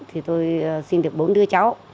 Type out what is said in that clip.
thì tôi xin được bốn đứa cháu